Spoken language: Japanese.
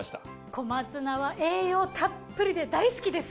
小松菜は栄養たっぷりで大好きです。